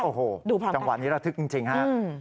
โอ้โหจังหวะนี้เราทึกจริงฮะ